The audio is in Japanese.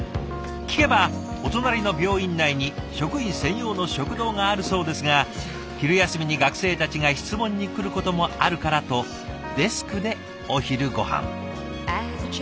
聞けばお隣の病院内に職員専用の食堂があるそうですが昼休みに学生たちが質問に来ることもあるからとデスクでお昼ごはん。